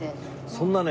そんなね